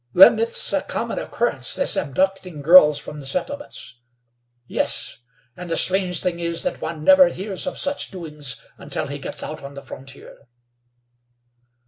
"Then it's a common occurrence, this abducting girls from the settlements?" "Yes, and the strange thing is that one never hears of such doings until he gets out on the frontier."